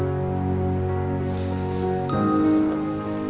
aku masih bercinta sama kamu